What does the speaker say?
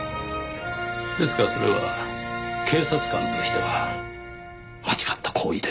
ですがそれは警察官としては間違った行為です。